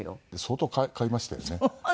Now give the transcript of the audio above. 相当買いましたよね。